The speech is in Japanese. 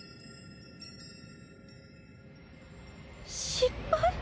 失敗？